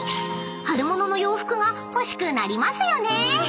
［春物の洋服が欲しくなりますよね？］